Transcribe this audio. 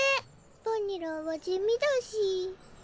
バニランは地味だし。